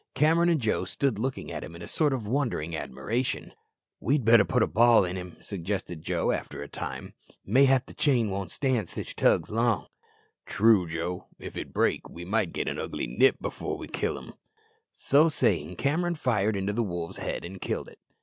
Cameron and Joe stood looking at him in a sort of wondering admiration. "We'd better put a ball in him," suggested Joe after a time. "Mayhap the chain won't stand sich tugs long." "True, Joe; if it break, we might get an ugly nip before we killed him." So saying Cameron fired into the wolf's head and killed it.